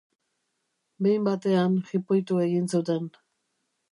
Behin batean jipoitu egin zuten.